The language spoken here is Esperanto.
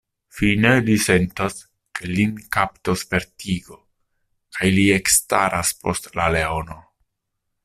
Fine li sentas, ke lin kaptos vertigo, kaj li ekstaras post la leono.